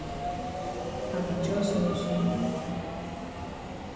I be jus know so.